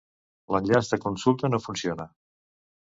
L'enllaç de consulta no funciona.